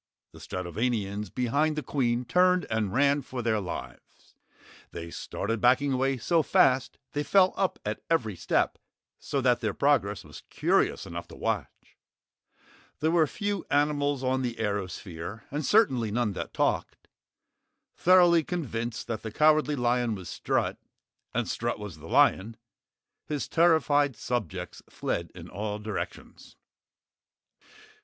The Stratovanians behind the Queen turned and ran for their lives. They started backing away so fast they fell up at every step, so that their progress was curious enough to watch. There were few animals on the airosphere and certainly none that talked. Thoroughly convinced that the Cowardly Lion was Strut and Strut was the lion, his terrified subjects fled in all directions.